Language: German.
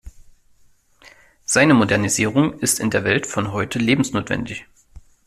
Seine Modernisierung ist in der Welt von heute lebensnotwendig.